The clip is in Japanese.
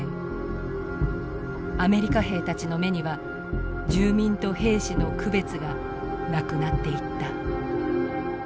アメリカ兵たちの目には住民と兵士の区別がなくなっていった。